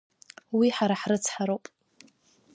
Уи ҳара ҳрыцҳароуп.